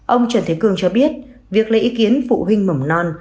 ông trần thế cường cho biết việc lấy ý kiến phụ huynh mầm non